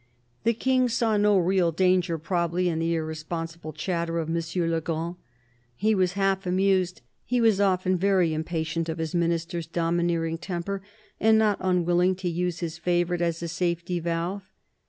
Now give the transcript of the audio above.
The King saw no real danger, probably, in the irresponsible chatter of M. le Grand. He was half amused ; he was often very impatient of his Minister's domineering temper, and not unwilling to use his favourite as a safety valve.